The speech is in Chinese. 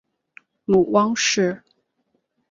母汪氏。